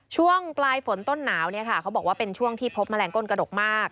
ช่วงปลายฝนต้นหนาวเป็นช่วงที่พบแมลงก้นกระดกมาก